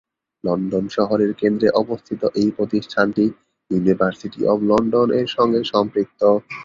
London শহরের কেন্দ্রে অবস্থিত এই প্রতিষ্ঠানটি ইউনিভার্সিটি অব লন্ডন-এর সঙ্গে সম্পৃক্ত।